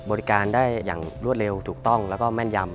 บริการได้อย่างรวดเร็วถูกต้องแล้วก็แม่นยำ